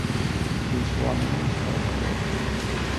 She was sworn in the following day.